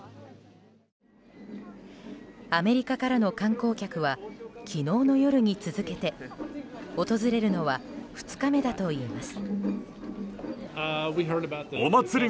アメリカからの観光客は昨日の夜に続けて訪れるのは２日目だといいます。